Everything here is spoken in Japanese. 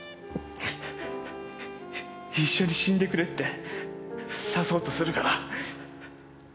一緒に死んでくれって刺そうとするから。